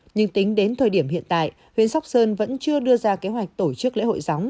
nhưng tính đến thời điểm hiện tại huyện sóc sơn vẫn chưa đưa ra kế hoạch tổ chức lễ hội gióng